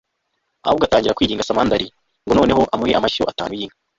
ahubwo atangira kwinginga samandari ngo noneho amuhe amashyo atanu y'inka